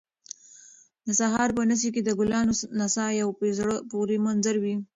د سهار په نسي کې د ګلانو نڅا یو په زړه پورې منظر وي